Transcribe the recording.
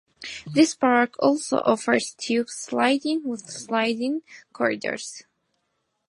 This park also offers tube sliding with sliding corridors.